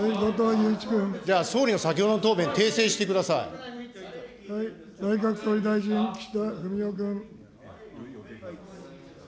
じゃあ総理の先ほどの答弁、内閣総理大臣、岸田文雄君。